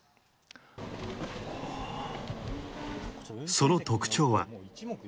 その特徴は。